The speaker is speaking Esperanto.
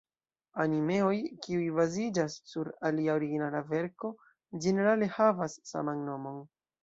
Animeoj kiuj baziĝas sur alia originala verko, ĝenerale havas saman nomon.